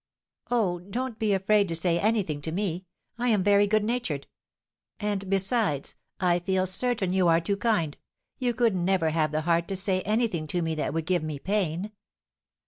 "Oh, don't be afraid to say anything to me; I am very good natured; and besides, I feel certain you are too kind; you could never have the heart to say anything to me that would give me pain."